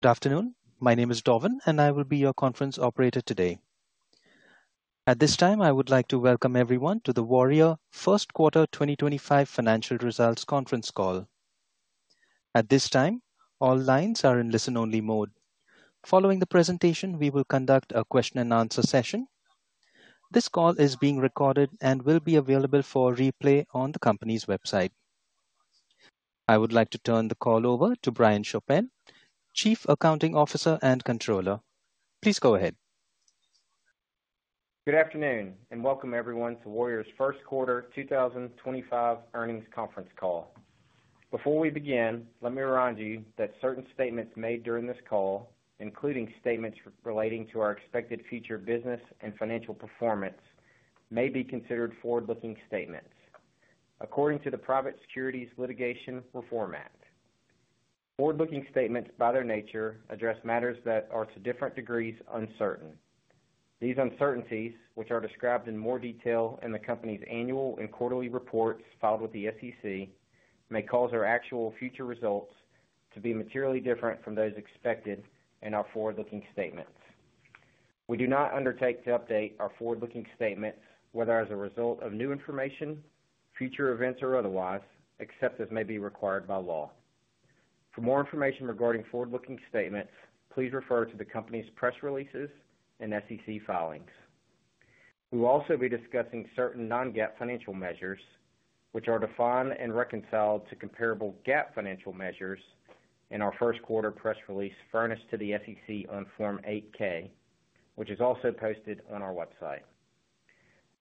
Good afternoon. My name is Donovan, and I will be your conference operator today. At this time, I would like to welcome everyone to the Warrior Met Coal Q1 2025 Financial Results Conference Call. At this time, all lines are in listen-only mode. Following the presentation, we will conduct a question-and-answer session. This call is being recorded and will be available for replay on the company's website. I would like to turn the call over to Brian Chaffin, Chief Accounting Officer and Controller. Please go ahead. Good afternoon, and welcome everyone to Warrior's Q1 2025 Earnings Conference Call. Before we begin, let me remind you that certain statements made during this call, including statements relating to our expected future business and financial performance, may be considered forward-looking statements, according to the Private Securities Litigation Reform Act. Forward-looking statements, by their nature, address matters that are to different degrees uncertain. These uncertainties, which are described in more detail in the company's annual and quarterly reports filed with the SEC, may cause our actual future results to be materially different from those expected in our forward-looking statements. We do not undertake to update our forward-looking statements, whether as a result of new information, future events, or otherwise, except as may be required by law. For more information regarding forward-looking statements, please refer to the company's press releases and SEC filings. We will also be discussing certain non-GAAP financial measures, which are defined and reconciled to comparable GAAP financial measures, in our Q1 press release furnished to the SEC on Form 8-K, which is also posted on our website.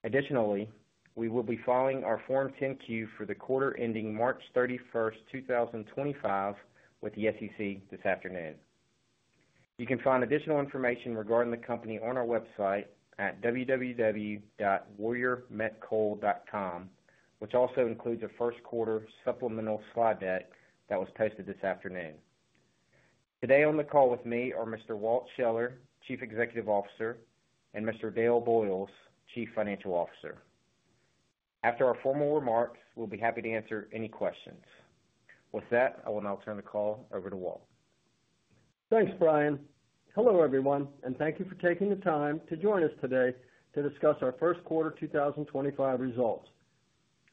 Additionally, we will be filing our Form 10-Q for the quarter ending March 31, 2025, with the SEC this afternoon. You can find additional information regarding the company on our website at www.warriormetcoal.com, which also includes a first quarter supplemental slide deck that was posted this afternoon. Today on the call with me are Mr. Walt Scheller, Chief Executive Officer, and Mr. Dale Boyles, Chief Financial Officer. After our formal remarks, we'll be happy to answer any questions. With that, I will now turn the call over to Walt. Thanks, Brian. Hello, everyone, and thank you for taking the time to join us today to discuss our Q1 2025 results.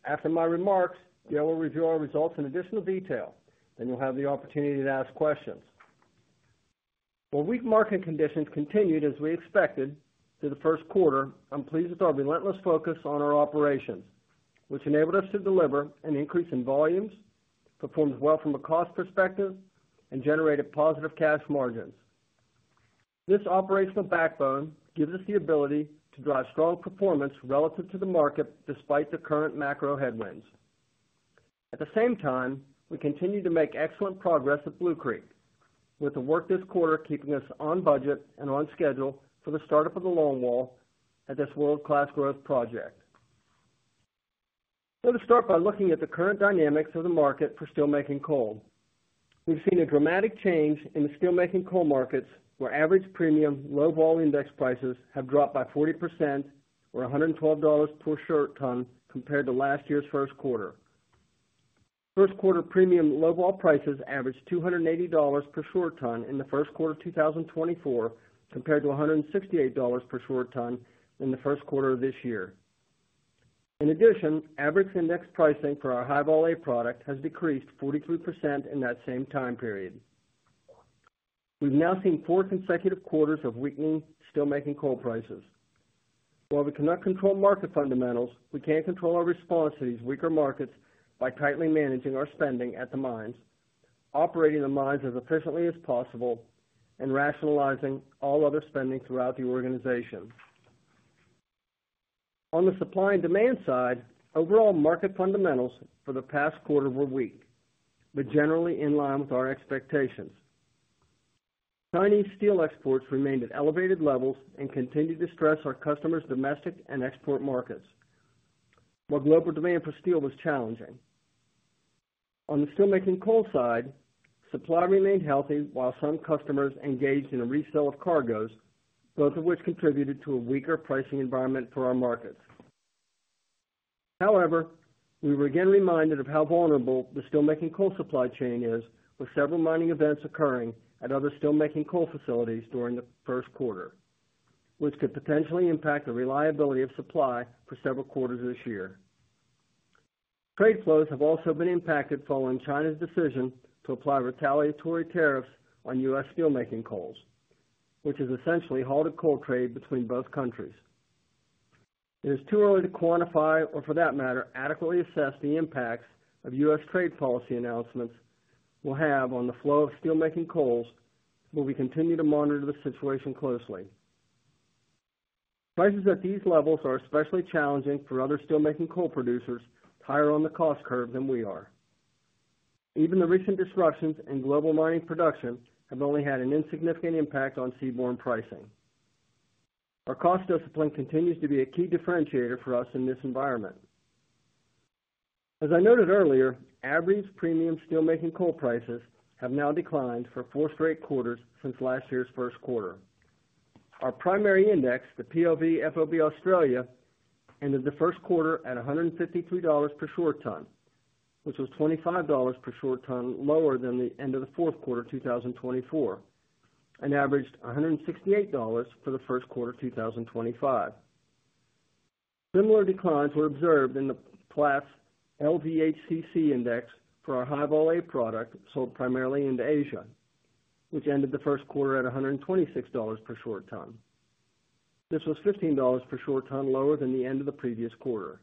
After my remarks, Dale will review our results in additional detail, then you'll have the opportunity to ask questions. While weak market conditions continued as we expected through the first quarter, I'm pleased with our relentless focus on our operations, which enabled us to deliver an increase in volumes, performed well from a cost perspective, and generated positive cash margins. This operational backbone gives us the ability to drive strong performance relative to the market despite the current macro headwinds. At the same time, we continue to make excellent progress at Blue Creek, with the work this quarter keeping us on budget and on schedule for the startup of the longwall at this world-class growth project. Let us start by looking at the current dynamics of the market for steelmaking coal. We've seen a dramatic change in the steelmaking coal markets, where average Premium Low-Vol index prices have dropped by 40%, or $112 per short ton, compared to last year's first quarter. Q1 Premium Low-Vol prices averaged $280 per short ton in the Q1 of 2024, compared to $168 per short ton in the Q1 of this year. In addition, average index pricing for our High-Vol A product has decreased 43% in that same time period. We've now seen four consecutive quarters of weakening steelmaking coal prices. While we cannot control market fundamentals, we can control our response to these weaker markets by tightly managing our spending at the mines, operating the mines as efficiently as possible, and rationalizing all other spending throughout the organization. On the supply and demand side, overall market fundamentals for the past quarter were weak, but generally in line with our expectations. Chinese steel exports remained at elevated levels and continued to stress our customers' domestic and export markets, while global demand for steel was challenging. On the steelmaking coal side, supply remained healthy while some customers engaged in a resale of cargoes, both of which contributed to a weaker pricing environment for our markets. However, we were again reminded of how vulnerable the steelmaking coal supply chain is, with several mining events occurring at other steelmaking coal facilities during the Q1, which could potentially impact the reliability of supply for several quarters this year. Trade flows have also been impacted following China's decision to apply retaliatory tariffs on U.S. steelmaking coals, which has essentially halted coal trade between both countries. It is too early to quantify, or for that matter, adequately assess the impacts of U.S. trade policy announcements we'll have on the flow of steelmaking coals, but we continue to monitor the situation closely. Prices at these levels are especially challenging for other steelmaking coal producers higher on the cost curve than we are. Even the recent disruptions in global mining production have only had an insignificant impact on seaborne pricing. Our cost discipline continues to be a key differentiator for us in this environment. As I noted earlier, average premium steelmaking coal prices have now declined for four straight quarters since last year's Q1. Our primary index, the PLV FOB Australia, ended the first quarter at $153 per short ton, which was $25 per short ton lower than the end of the fourth quarter 2024, and averaged $168 for the Q1 2025. Similar declines were observed in the PLV HCC index for our High-Vol A product sold primarily in Asia, which ended the Q1 at $126 per short ton. This was $15 per short ton lower than the end of the previous quarter.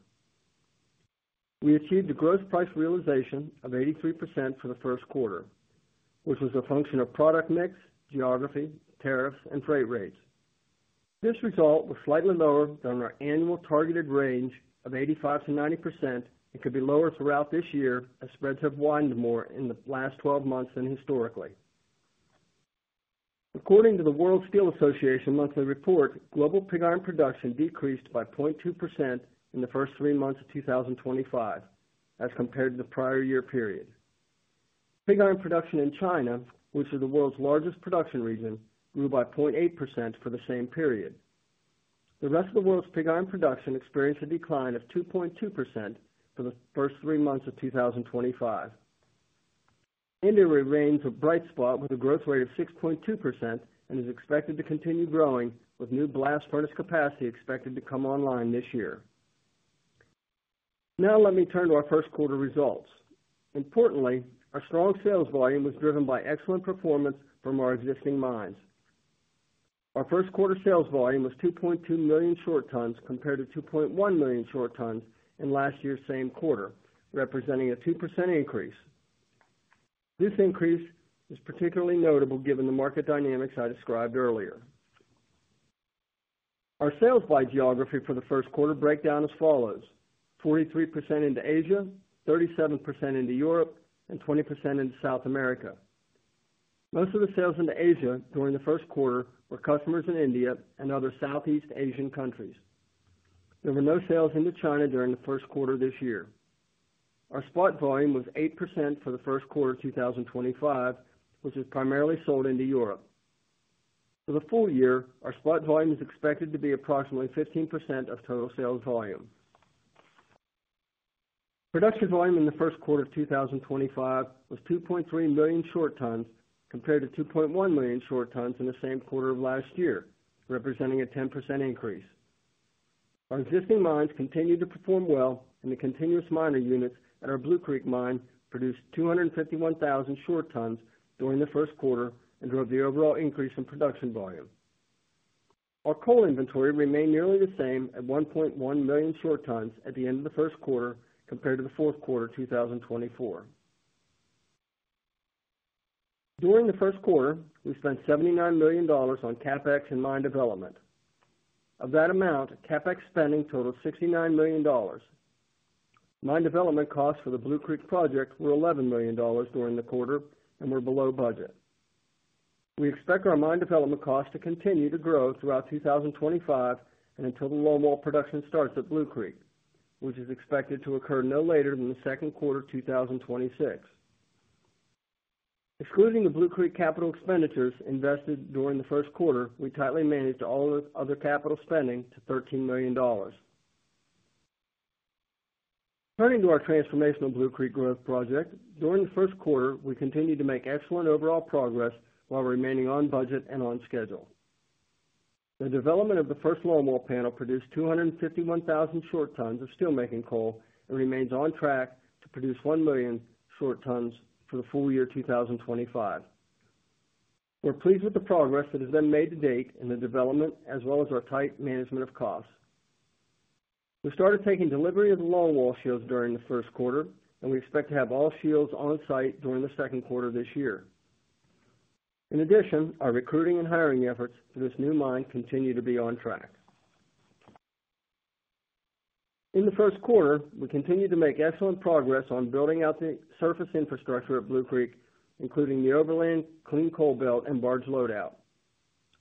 We achieved a gross price realization of 83% for the Q1, which was a function of product mix, geography, tariffs, and freight rates. This result was slightly lower than our annual targeted range of 85%-90% and could be lower throughout this year as spreads have widened more in the last 12 months than historically. According to the World Steel Association Monthly Report, global pig iron production decreased by 0.2% in the first three months of 2023, as compared to the prior year period. Pig iron production in China, which is the world's largest production region, grew by 0.8% for the same period. The rest of the world's pig iron production experienced a decline of 2.2% for the first three months of 2025. India remains a bright spot with a growth rate of 6.2% and is expected to continue growing, with new blast furnace capacity expected to come online this year. Now let me turn to our first quarter results. Importantly, our strong sales volume was driven by excellent performance from our existing mines. Our Q1 sales volume was 2.2 million short tons compared to 2.1 million short tons in last year's same quarter, representing a 2% increase. This increase is particularly notable given the market dynamics I described earlier. Our sales by geography for the first quarter breakdown is as follows: 43% into Asia, 37% into Europe, and 20% into South America. Most of the sales into Asia during the first quarter were customers in India and other Southeast Asian countries. There were no sales into China during the Q1 this year. Our spot volume was 8% for the Q1 of 2025, which was primarily sold into Europe. For the full year, our spot volume is expected to be approximately 15% of total sales volume. Production volume in the first quarter of 2025 was 2.3 million short tons compared to 2.1 million short tons in the same quarter of last year, representing a 10% increase. Our existing mines continued to perform well, and the continuous miner units at our Blue Creek mine produced 251,000 short tons during the Q1 and drove the overall increase in production volume. Our coal inventory remained nearly the same at 1.1 million short tons at the end of the Q1 compared to the fourth quarter of 2024. During the first quarter, we spent $79 million on CapEx and mine development. Of that amount, CapEx spending totaled $69 million. Mine development costs for the Blue Creek project were $11 million during the quarter and were below budget. We expect our mine development costs to continue to grow throughout 2025 and until the longwall production starts at Blue Creek, which is expected to occur no later than the Q2 of 2026. Excluding the Blue Creek capital expenditures invested during the first quarter, we tightly managed all other capital spending to $13 million. Turning to our transformational Blue Creek growth project, during the Q1, we continued to make excellent overall progress while remaining on budget and on schedule. The development of the first longwall panel produced 251,000 short tons of steelmaking coal and remains on track to produce 1 million short tons for the full year 2025. We're pleased with the progress that has been made to date in the development as well as our tight management of costs. We started taking delivery of the longwall shields during the Q1, and we expect to have all shields on site during the Q2 this year. In addition, our recruiting and hiring efforts for this new mine continue to be on track. In the Q1, we continued to make excellent progress on building out the surface infrastructure at Blue Creek, including the overland clean coal belt and barge loadout.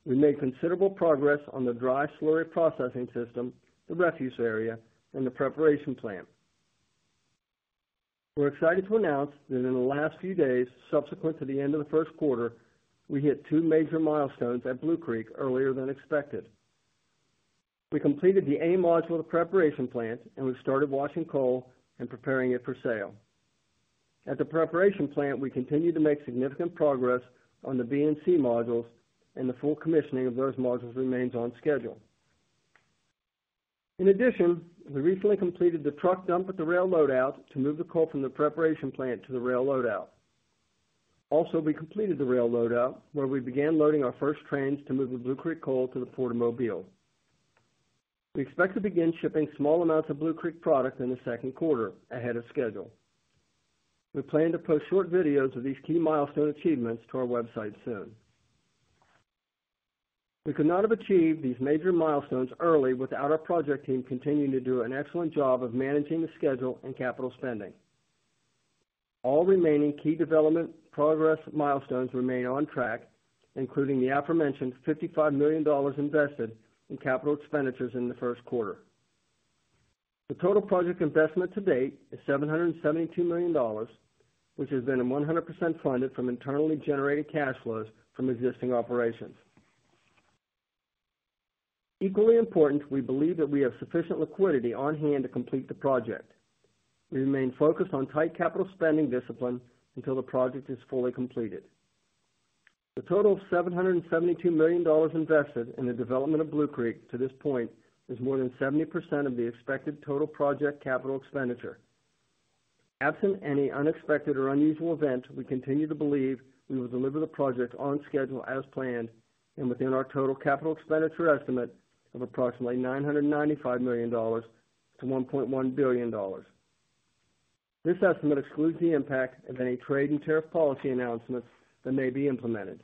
We made considerable progress on the dry/slurry processing system, the refuse area, and the preparation plant. We're excited to announce that in the last few days subsequent to the end of the first quarter, we hit two major milestones at Blue Creek earlier than expected. We completed the A module of the preparation plant, and we've started washing coal and preparing it for sale. At the preparation plant, we continue to make significant progress on the B and C modules, and the full commissioning of those modules remains on schedule. In addition, we recently completed the truck dump at the rail loadout to move the coal from the preparation plant to the rail loadout. Also, we completed the rail loadout, where we began loading our first trains to move the Blue Creek coal to the Port of Mobile. We expect to begin shipping small amounts of Blue Creek product in the second quarter ahead of schedule. We plan to post short videos of these key milestone achievements to our website soon. We could not have achieved these major milestones early without our project team continuing to do an excellent job of managing the schedule and capital spending. All remaining key development progress milestones remain on track, including the aforementioned $55 million invested in capital expenditures in the Q1. The total project investment to date is $772 million, which has been 100% funded from internally generated cash flows from existing operations. Equally important, we believe that we have sufficient liquidity on hand to complete the project. We remain focused on tight capital spending discipline until the project is fully completed. The total of $772 million invested in the development of Blue Creek to this point is more than 70% of the expected total project capital expenditure. Absent any unexpected or unusual event, we continue to believe we will deliver the project on schedule as planned and within our total capital expenditure estimate of approximately $995 million-$1.1 billion. This estimate excludes the impact of any trade and tariff policy announcements that may be implemented,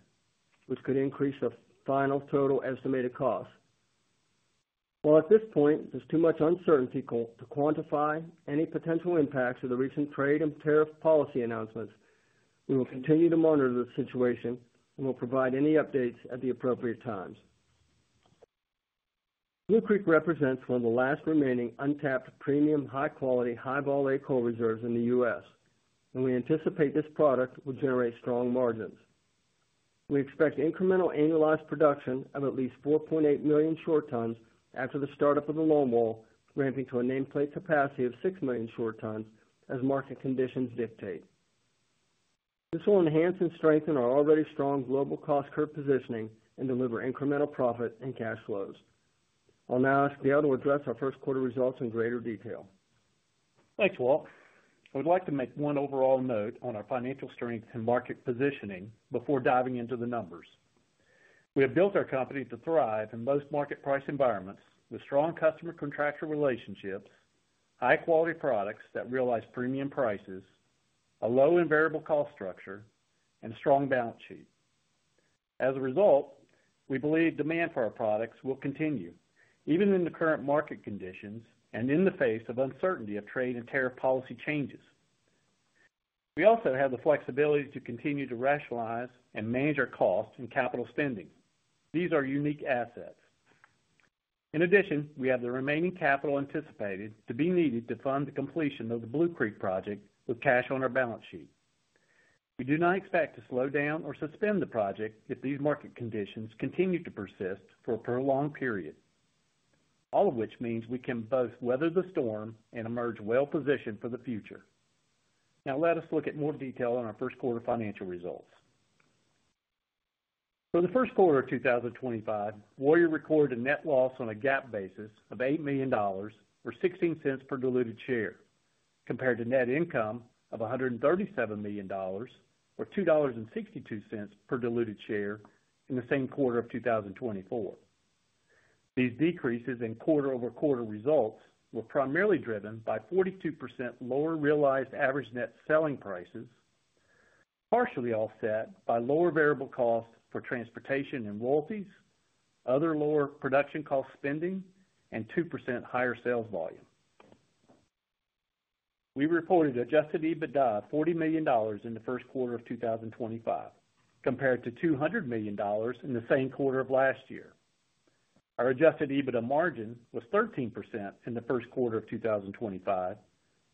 which could increase the final total estimated cost. While at this point, there's too much uncertainty to quantify any potential impacts of the recent trade and tariff policy announcements, we will continue to monitor the situation and will provide any updates at the appropriate times. Blue Creek represents one of the last remaining untapped premium high-quality High-Vol A coal reserves in the U.S., and we anticipate this product will generate strong margins. We expect incremental annualized production of at least 4.8 million short tons after the startup of the longwall, ramping to a nameplate capacity of 6 million short tons as market conditions dictate. This will enhance and strengthen our already strong global cost curve positioning and deliver incremental profit and cash flows. I'll now ask Dale to address our Q1 results in greater detail. Thanks, Walt. I would like to make one overall note on our financial strength and market positioning before diving into the numbers. We have built our company to thrive in most market price environments with strong customer contractual relationships, high-quality products that realize premium prices, a low and variable cost structure, and a strong balance sheet. As a result, we believe demand for our products will continue even in the current market conditions and in the face of uncertainty of trade and tariff policy changes. We also have the flexibility to continue to rationalize and manage our costs and capital spending. These are unique assets. In addition, we have the remaining capital anticipated to be needed to fund the completion of the Blue Creek project with cash on our balance sheet. We do not expect to slow down or suspend the project if these market conditions continue to persist for a prolonged period, all of which means we can both weather the storm and emerge well-positioned for the future. Now let us look at more detail on our first quarter financial results. For the Q1 of 2025, Warrior recorded a net loss on a GAAP basis of $8 million or $0.16 per diluted share, compared to net income of $137 million or $2.62 per diluted share in the same quarter of 2024. These decreases in quarter-over-quarter results were primarily driven by 42% lower realized average net selling prices, partially offset by lower variable costs for transportation and royalties, other lower production cost spending, and 2% higher sales volume. We reported Adjusted EBITDA of $40 million in the first quarter of 2025, compared to $200 million in the same quarter of last year. Our adjusted EBITDA margin was 13% in the Q1 of 2025,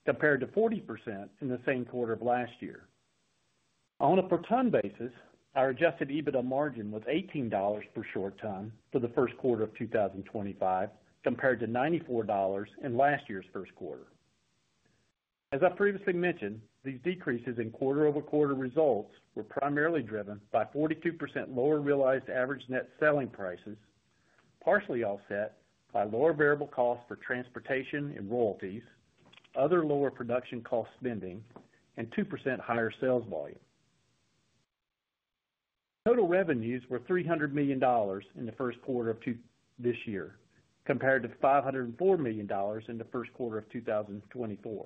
compared to 40% in the same quarter of last year. On a per ton basis, our Adjusted EBITDA margin was $18 per short ton for the Q1 of 2025, compared to $94 in last year's Q1. As I previously mentioned, these decreases in quarter-over-quarter results were primarily driven by 42% lower realized average net selling prices, partially offset by lower variable costs for transportation and royalties, other lower production cost spending, and 2% higher sales volume. Total revenues were $300 million in the Q1 of this year, compared to $504 million in the Q1 of 2024.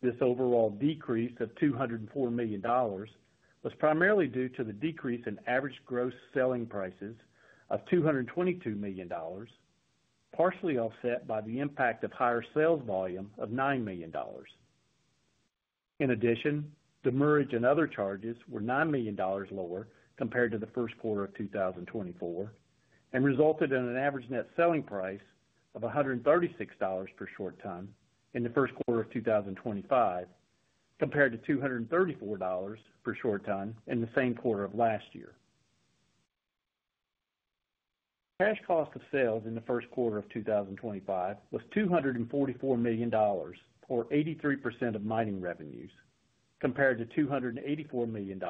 This overall decrease of $204 million was primarily due to the decrease in average gross selling prices of $222 million, partially offset by the impact of higher sales volume of $9 million. In addition, demurrage and other charges were $9 million lower compared to the Q1 of 2024 and resulted in an average net selling price of $136 per short ton in the Q1 of 2025, compared to $234 per short ton in the same quarter of last year. Cash cost of sales in the Q1 of 2025 was $244 million, or 83% of mining revenues, compared to $284 million,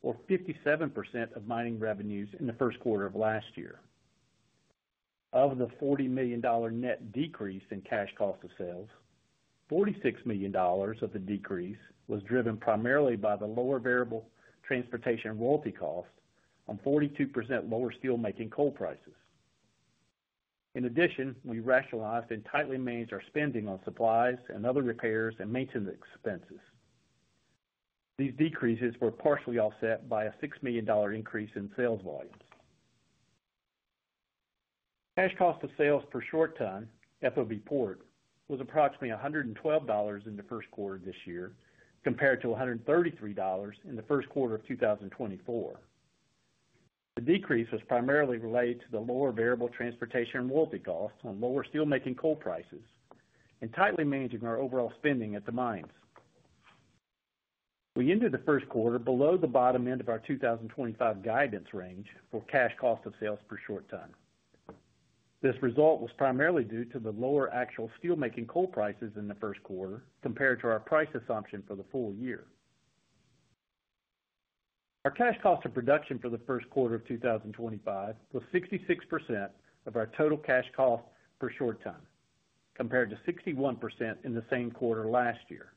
or 57% of mining revenues in the Q1 of last year. Of the $40 million net decrease in cash cost of sales, $46 million of the decrease was driven primarily by the lower variable transportation royalty cost on 42% lower steelmaking coal prices. In addition, we rationalized and tightly managed our spending on supplies and other repairs and maintenance expenses. These decreases were partially offset by a $6 million increase in sales volumes. Cash cost of sales per short ton, FOB port, was approximately $112 in the first quarter of this year, compared to $133 in the Q1 of 2024. The decrease was primarily related to the lower variable transportation royalty cost on lower steelmaking coal prices and tightly managing our overall spending at the mines. We ended the Q1 below the bottom end of our 2025 guidance range for cash cost of sales per short ton. This result was primarily due to the lower actual steelmaking coal prices in the Q1 compared to our price assumption for the full year. Our cash cost of production for the Q1 of 2025 was 66% of our total cash cost per short ton, compared to 61% in the same quarter last year.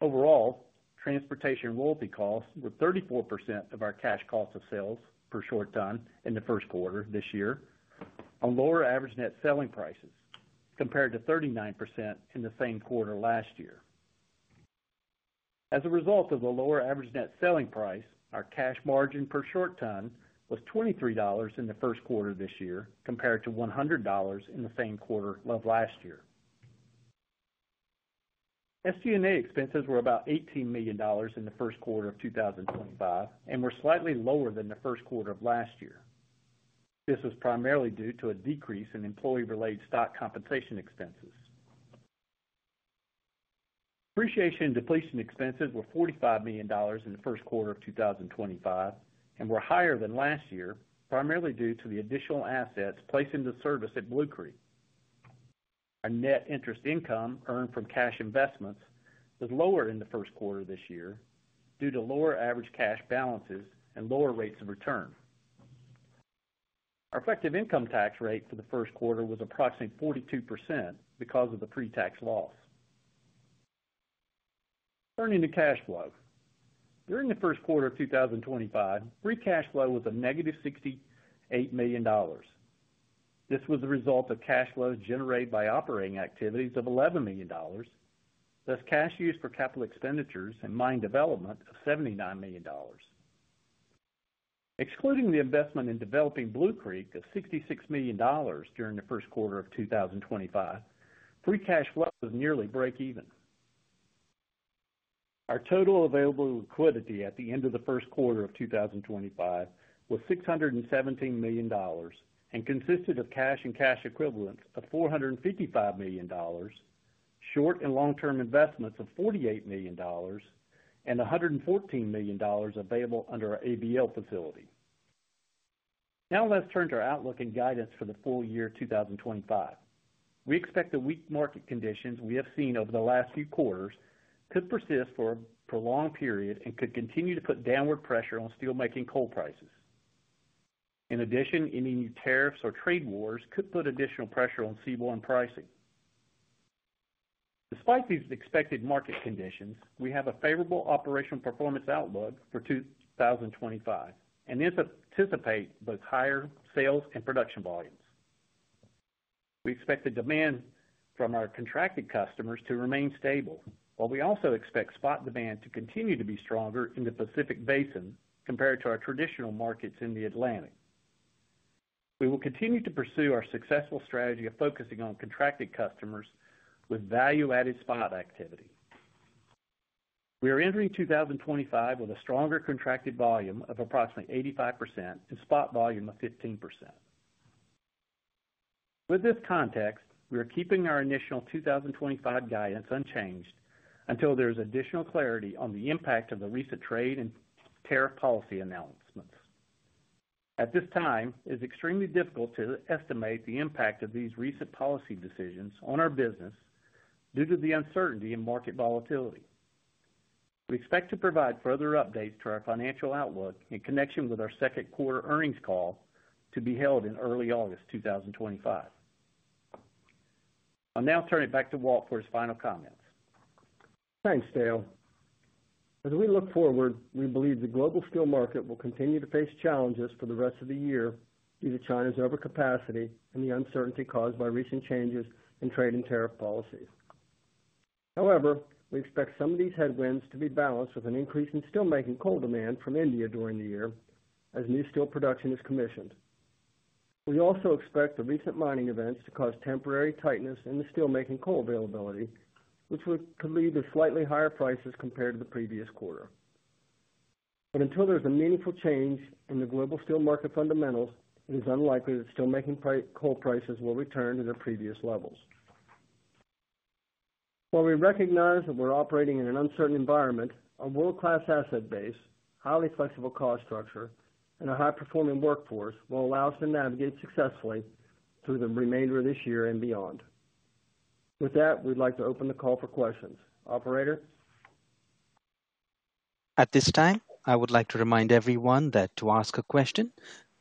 Overall, transportation royalty costs were 34% of our cash cost of sales per short ton in the Q1 of this year on lower average net selling prices, compared to 39% in the same quarter last year. As a result of the lower average net selling price, our cash margin per short ton was $23 in the Q1 of this year, compared to $100 in the same quarter of last year. SG&A expenses were about $18 million in the first quarter of 2025 and were slightly lower than the Q1 of last year. This was primarily due to a decrease in employee-related stock compensation expenses. Depreciation and depletion expenses were $45 million in the first quarter of 2025 and were higher than last year, primarily due to the additional assets placed into service at Blue Creek. Our net interest income earned from cash investments was lower in the first quarter of this year due to lower average cash balances and lower rates of return. Our effective income tax rate for the first quarter was approximately 42% because of the pre-tax loss. Turning to cash flow. During the first quarter of 2025, free cash flow was a negative $68 million. This was the result of cash flows generated by operating activities of $11 million, thus cash used for capital expenditures and mine development of $79 million. Excluding the investment in developing Blue Creek of $66 million during the first quarter of 2025, free cash flow was nearly break-even. Our total available liquidity at the end of the first quarter of 2025 was $617 million and consisted of cash and cash equivalents of $455 million, short and long-term investments of $48 million, and $114 million available under our ABL facility. Now let's turn to our outlook and guidance for the full year 2025. We expect the weak market conditions we have seen over the last few quarters could persist for a prolonged period and could continue to put downward pressure on steelmaking coal prices. In addition, any new tariffs or trade wars could put additional pressure on seaborne pricing. Despite these expected market conditions, we have a favorable operational performance outlook for 2025 and anticipate both higher sales and production volumes. We expect the demand from our contracted customers to remain stable, while we also expect spot demand to continue to be stronger in the Pacific Basin compared to our traditional markets in the Atlantic. We will continue to pursue our successful strategy of focusing on contracted customers with value-added spot activity. We are entering 2025 with a stronger contracted volume of approximately 85% and spot volume of 15%. With this context, we are keeping our initial 2025 guidance unchanged until there is additional clarity on the impact of the recent trade and tariff policy announcements. At this time, it is extremely difficult to estimate the impact of these recent policy decisions on our business due to the uncertainty in market volatility. We expect to provide further updates to our financial outlook in connection with our second quarter earnings call to be held in early August 2025. I'll now turn it back to Walt for his final comments. Thanks, Brian. As we look forward, we believe the global steel market will continue to face challenges for the rest of the year due to China's overcapacity and the uncertainty caused by recent changes in trade and tariff policies. However, we expect some of these headwinds to be balanced with an increase in steelmaking coal demand from India during the year as new steel production is commissioned. We also expect the recent mining events to cause temporary tightness in the steelmaking coal availability, which could lead to slightly higher prices compared to the previous quarter. Until there's a meaningful change in the global steel market fundamentals, it is unlikely that steelmaking coal prices will return to their previous levels. While we recognize that we're operating in an uncertain environment, a world-class asset base, highly flexible cost structure, and a high-performing workforce will allow us to navigate successfully through the remainder of this year and beyond. With that, we'd like to open the call for questions. Operator? At this time, I would like to remind everyone that to ask a question,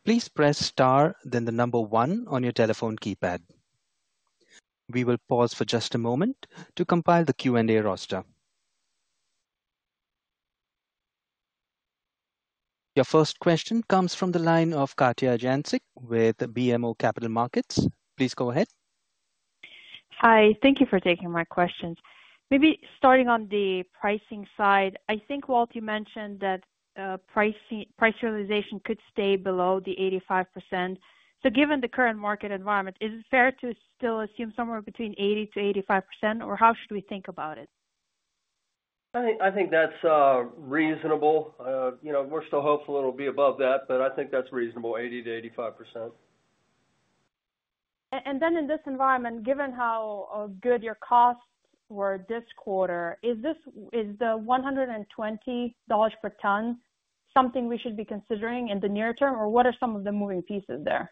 please press star, then the number one on your telephone keypad. We will pause for just a moment to compile the Q&A roster. Your first question comes from the line of Katja Jancic with BMO Capital Markets. Please go ahead. Hi. Thank you for taking my questions. Maybe starting on the pricing side, I think, Walt, you mentioned that price realization could stay below the 85%. Given the current market environment, is it fair to still assume somewhere between 80%-85%, or how should we think about it? I think that's reasonable. We're still hopeful it'll be above that, but I think that's reasonable, 80%-85%. In this environment, given how good your costs were this quarter, is the $120 per ton something we should be considering in the near term, or what are some of the moving pieces there?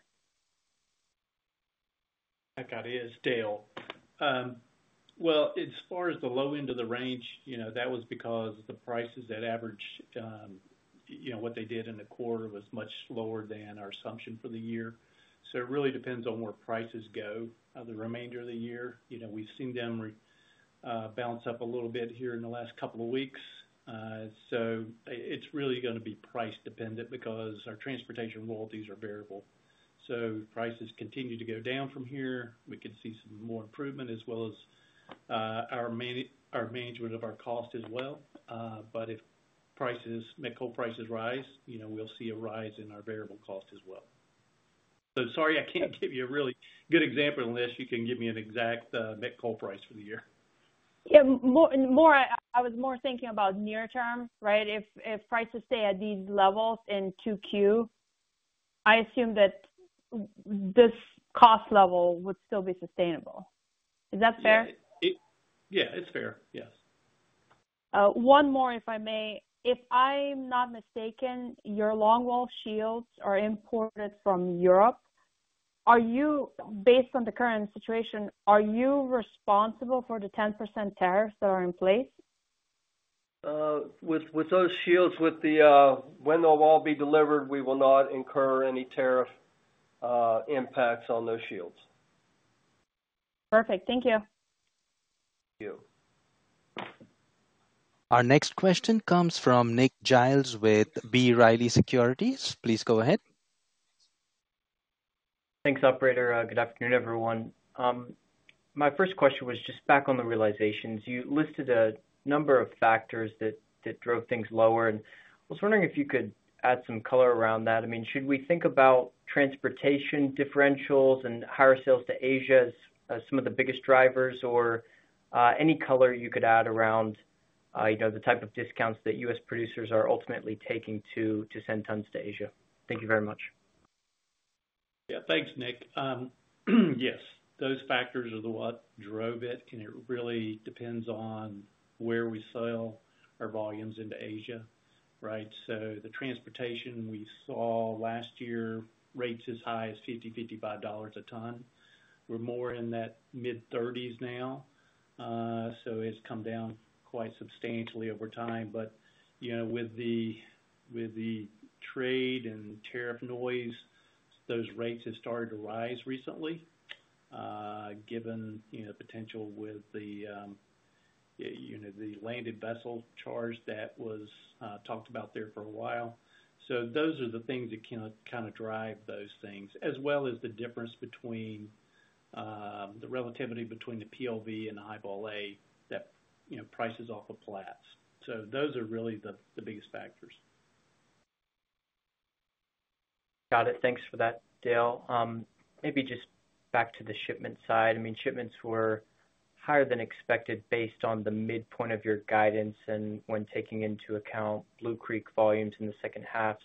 I've got to ask Dale. As far as the low end of the range, that was because the prices that averaged what they did in the quarter was much lower than our assumption for the year. It really depends on where prices go the remainder of the year. We've seen them bounce up a little bit here in the last couple of weeks. It's really going to be price-dependent because our transportation royalties are variable. If prices continue to go down from here, we could see some more improvement as well as our management of our cost as well. If coal prices rise, we'll see a rise in our variable cost as well. Sorry, I can't give you a really good example unless you can give me an exact met coal price for the year. Yeah. I was more thinking about near term, right? If prices stay at these levels in 2Q, I assume that this cost level would still be sustainable. Is that fair? Yeah, it's fair. Yes. One more, if I may. If I'm not mistaken, your longwall shields are imported from Europe. Based on the current situation, are you responsible for the 10% tariffs that are in place? With those shields, when they'll all be delivered, we will not incur any tariff impacts on those shields. Perfect. Thank you. Our next question comes from Nick Giles with B. Riley Securities. Please go ahead. Thanks, Operator. Good afternoon, everyone. My first question was just back on the realizations. You listed a number of factors that drove things lower, and I was wondering if you could add some color around that. I mean, should we think about transportation differentials and higher sales to Asia as some of the biggest drivers, or any color you could add around the type of discounts that U.S. producers are ultimately taking to send tons to Asia? Thank you very much. Yeah. Thanks, Nick. Yes. Those factors are what drove it, and it really depends on where we sell our volumes into Asia, right? The transportation we saw last year rates as high as $50, $55 a ton. We're more in that mid-30s now, so it's come down quite substantially over time. With the trade and tariff noise, those rates have started to rise recently given the potential with the landed vessel charge that was talked about there for a while. Those are the things that kind of drive those things, as well as the difference between the relativity between the PLV and the High-Vol A that prices off of Platts. Those are really the biggest factors. Got it. Thanks for that, Dale. Maybe just back to the shipment side. I mean, shipments were higher than expected based on the midpoint of your guidance and when taking into account Blue Creek volumes in the second half.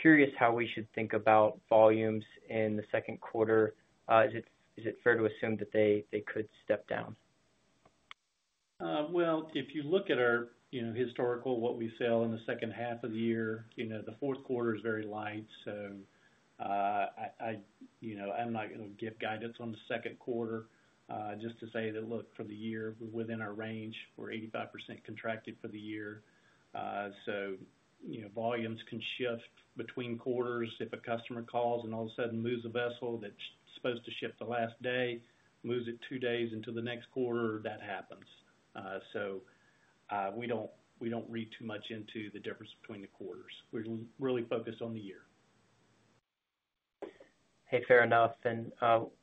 Curious how we should think about volumes in the Q2. Is it fair to assume that they could step down? If you look at our historical, what we sell in the second half of the year, the fourth quarter is very light. I am not going to give guidance on the Q2. Just to say that, for the year, we are within our range. We are 85% contracted for the year. Volumes can shift between quarters. If a customer calls and all of a sudden moves a vessel that is supposed to ship the last day, moves it two days into the next quarter, that happens. We do not read too much into the difference between the quarters. We are really focused on the year. Hey, fair enough.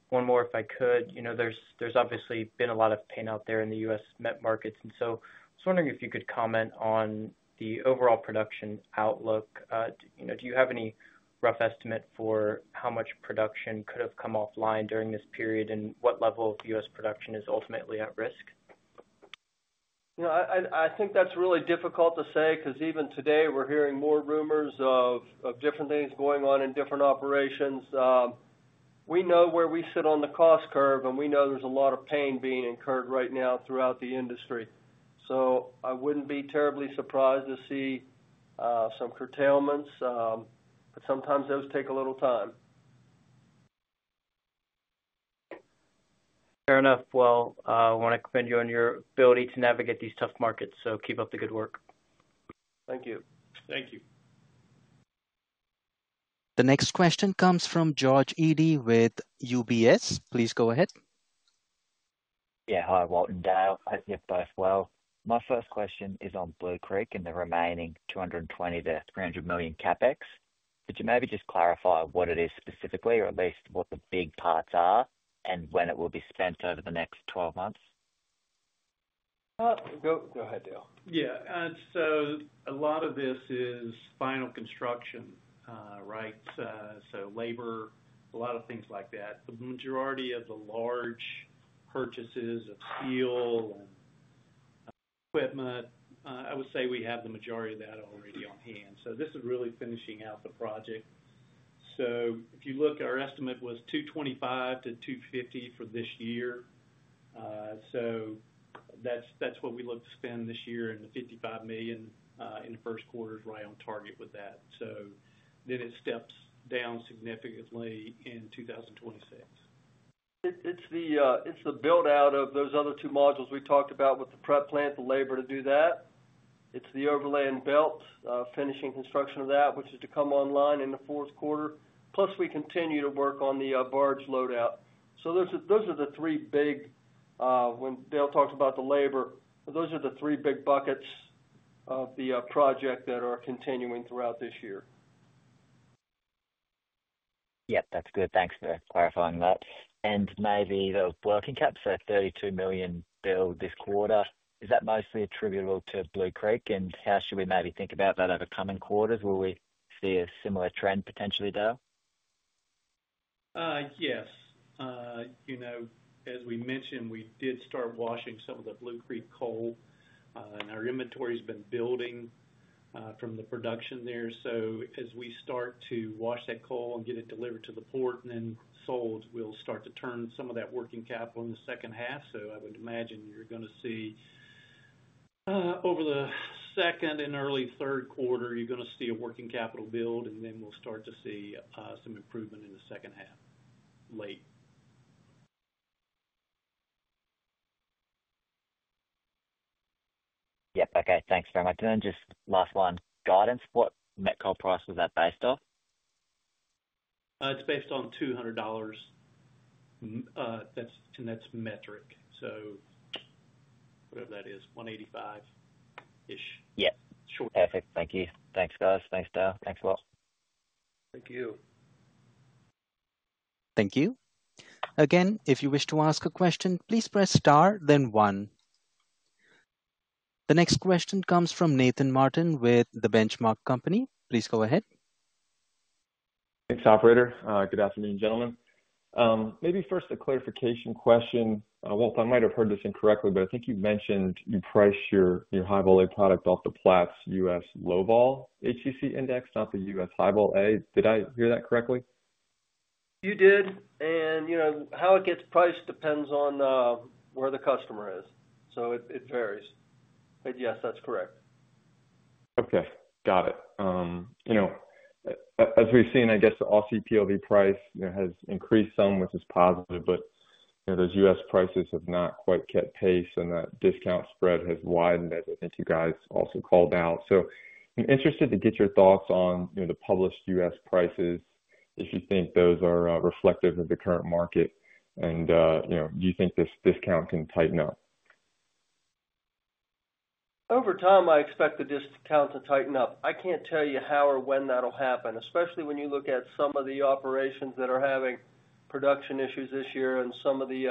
One more, if I could. There has obviously been a lot of pain out there in the U.S. met markets. I was wondering if you could comment on the overall production outlook. Do you have any rough estimate for how much production could have come offline during this period and what level of U.S. production is ultimately at risk? I think that's really difficult to say because even today we're hearing more rumors of different things going on in different operations. We know where we sit on the cost curve, and we know there's a lot of pain being incurred right now throughout the industry. I wouldn't be terribly surprised to see some curtailments, but sometimes those take a little time. Fair enough. I want to commend you on your ability to navigate these tough markets. Keep up the good work. Thank you. Thank you. The next question comes from George Eadie with UBS. Please go ahead. Yeah. Hi, Walt and Dale. Hope you're both well. My first question is on Blue Creek and the remaining $220 million-$300 million CapEx. Could you maybe just clarify what it is specifically, or at least what the big parts are, and when it will be spent over the next 12 months? Go ahead, Dale. Yeah. A lot of this is final construction, right? Labor, a lot of things like that. The majority of the large purchases of steel and equipment, I would say we have the majority of that already on hand. This is really finishing out the project. If you look, our estimate was $225 million-$250 million for this year. That's what we look to spend this year, and the $55 million in the first quarter is right on target with that. It steps down significantly in 2026. It's the build-out of those other two modules we talked about with the prep plant, the labor to do that. It's the overlay and belts, finishing construction of that, which is to come online in the fourth quarter. Plus, we continue to work on the barge loadout. Those are the three big, when Dale talks about the labor, those are the three big buckets of the project that are continuing throughout this year. Yep. That's good. Thanks for clarifying that. Maybe those working caps are $32 million billed this quarter. Is that mostly attributable to Blue Creek, and how should we maybe think about that over coming quarters? Will we see a similar trend potentially, Dale? Yes. As we mentioned, we did start washing some of the Blue Creek coal, and our inventory has been building from the production there. As we start to wash that coal and get it delivered to the port and then sold, we'll start to turn some of that working capital in the second half. I would imagine you're going to see over the second and early third quarter, you're going to see a working capital build, and then we'll start to see some improvement in the second half late. Yep. Okay. Thanks very much. And then just last one. Guidance, what met coal price was that based off? It's based on $200, and that's metric. So whatever that is, 185-ish. Yes. Short. Perfect. Thank you. Thanks, guys. Thanks, Dale. Thanks a lot. Thank you. Thank you. Again, if you wish to ask a question, please press star, then one. The next question comes from Nathan Martin with The Benchmark Company. Please go ahead. Thanks, Operator. Good afternoon, gentlemen. Maybe first a clarification question. Walt, I might have heard this incorrectly, but I think you mentioned you price your High-Vol A product off the Platts U.S. Low-Vol HCC index, not the U.S. High-Vol A. Did I hear that correctly? You did. And how it gets priced depends on where the customer is. It varies. But yes, that's correct. Okay. Got it. As we've seen, I guess the Aussie PLV price has increased some, which is positive, but those U.S. prices have not quite kept pace, and that discount spread has widened, as I think you guys also called out. I am interested to get your thoughts on the published U.S. prices, if you think those are reflective of the current market, and do you think this discount can tighten up? Over time, I expect the discount to tighten up. I can't tell you how or when that'll happen, especially when you look at some of the operations that are having production issues this year and some of the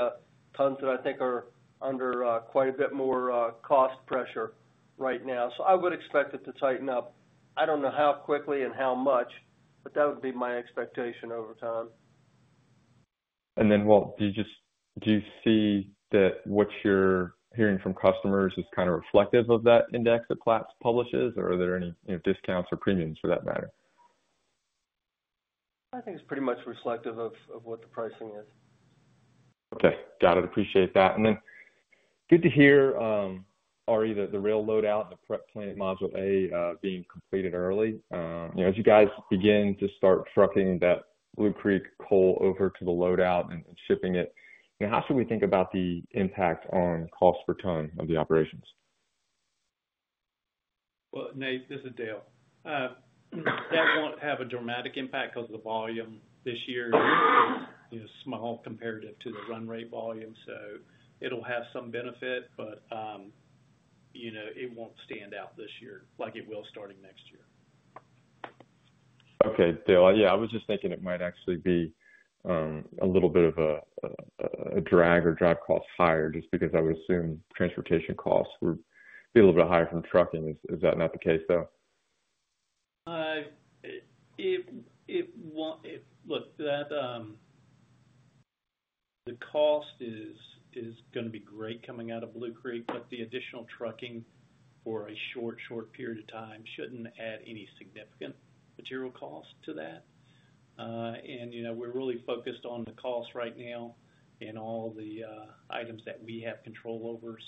tons that I think are under quite a bit more cost pressure right now. I would expect it to tighten up. I don't know how quickly and how much, but that would be my expectation over time. Walt, do you see that what you're hearing from customers is kind of reflective of that index that Platts publishes, or are there any discounts or premiums for that matter? I think it's pretty much reflective of what the pricing is. Okay. Got it. Appreciate that. Good to hear, already, that the rail loadout and the prep plant module A being completed early. As you guys begin to start trucking that Blue Creek coal over to the loadout and shipping it, how should we think about the impact on cost per ton of the operations? This is Dale. That will not have a dramatic impact because the volume this year is small comparative to the run rate volume. It will have some benefit, but it will not stand out this year like it will starting next year. Okay. Dale, I was just thinking it might actually be a little bit of a drag or drive cost higher just because I would assume transportation costs would be a little bit higher from trucking. Is that not the case, though? Look, the cost is going to be great coming out of Blue Creek, but the additional trucking for a short, short period of time should not add any significant material cost to that. We are really focused on the cost right now and all the items that we have control over.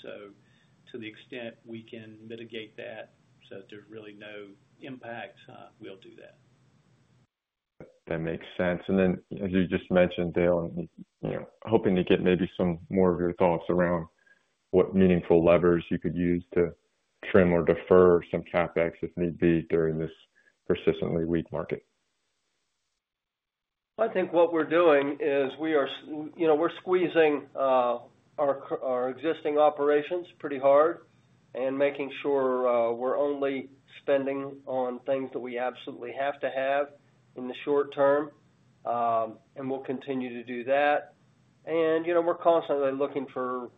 To the extent we can mitigate that, if there is really no impact, we will do that. That makes sense. As you just mentioned, Dale, hoping to get maybe some more of your thoughts around what meaningful levers you could use to trim or defer some CapEx if need be during this persistently weak market. I think what we are doing is we are squeezing our existing operations pretty hard and making sure we are only spending on things that we absolutely have to have in the short term. We will continue to do that. We are constantly looking for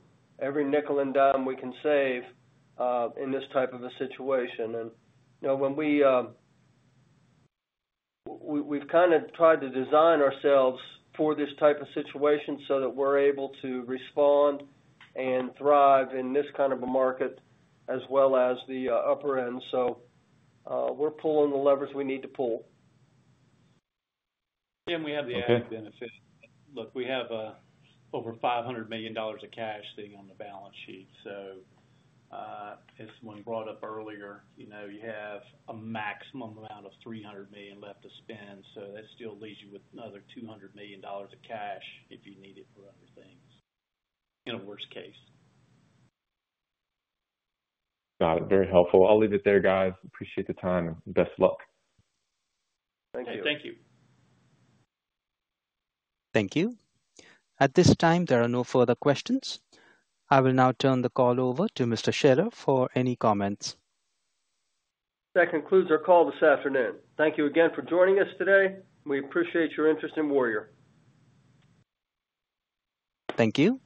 every nickel and dime we can save in this type of a situation. We have kind of tried to design ourselves for this type of situation so that we are able to respond and thrive in this kind of a market as well as the upper end. We are pulling the levers we need to pull. We have the added benefit. Look, we have over $500 million of cash sitting on the balance sheet. As someone brought up earlier, you have a maximum amount of $300 million left to spend. That still leaves you with another $200 million of cash if you need it for other things in a worse case. Got it. Very helpful. I will leave it there, guys. Appreciate the time. Best of luck. Thank you. Thank you. Thank you. At this time, there are no further questions. I will now turn the call over to Mr. Scheller for any comments. That concludes our call this afternoon. Thank you again for joining us today. We appreciate your interest in Warrior. Thank you.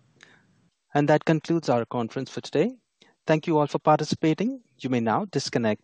That concludes our conference for today. Thank you all for participating. You may now disconnect.